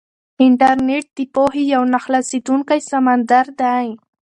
انټرنيټ د پوهې یو نه خلاصېدونکی سمندر دی.